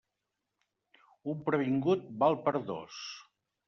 Un previngut val per dos.